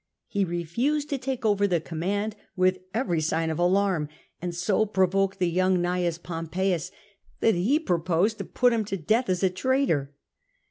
He refused to take over the command, with every sign of alarm, and so provoked the young Gnaeus Pompeius that he purposed to have him put to death as a traitor.